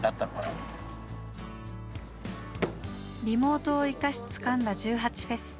リモートを生かしつかんだ１８祭。